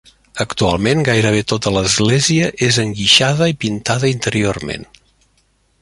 Actualment, gairebé tota l'església és enguixada i pintada interiorment.